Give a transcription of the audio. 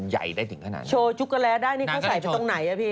ใหญ่ได้ถึงขนาดนี้